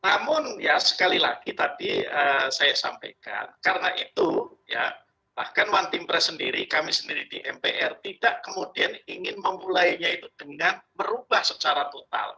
namun ya sekali lagi tadi saya sampaikan karena itu ya bahkan one team press sendiri kami sendiri di mpr tidak kemudian ingin memulainya itu dengan merubah secara total